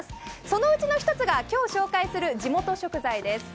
そのうちの１つが今日紹介する地元食材です。